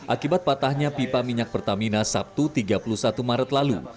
akibat patahnya pipa minyak pertamina sabtu tiga puluh satu maret lalu